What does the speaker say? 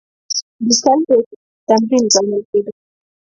لیکل د اطاعت تمرین ګڼل کېده.